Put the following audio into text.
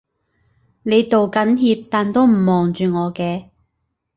你道緊歉但都唔望住我嘅